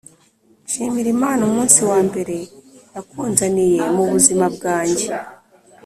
Nshimira Imana umunsi wa mbere yakunzaniye mu buzima bwanjye